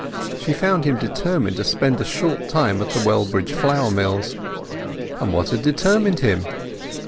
She found him determined to spend a short time at the Wellbridge flour mills. And what had determined him?